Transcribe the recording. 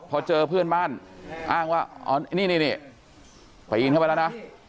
พอเจอเพื่อนบ้านอ้างว่านี่ปีนเข้าไปแล้วนะ